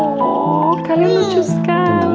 oh kalian lucu sekali